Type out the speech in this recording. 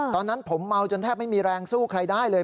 ตอนนั้นผมเมาจนแทบไม่มีแรงสู้ใครได้เลย